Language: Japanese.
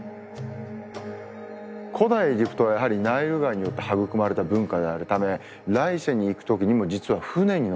古代エジプトはやはりナイル川によって育まれた文化であるため来世に行く時にも実は舟に乗っていきます。